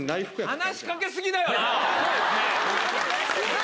話しかけ過ぎだよな。